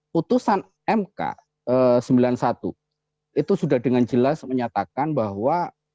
putusan mk sembilan puluh satu itu sudah dengan jelas menyatakan bahwa